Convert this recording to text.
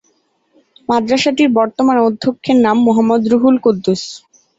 মাদ্রাসাটির বর্তমান অধ্যক্ষের নাম মোহাম্মদ রুহুল কুদ্দুস।